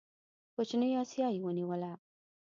کوچنۍ اسیا یې ونیوله.